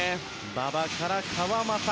馬場から川真田。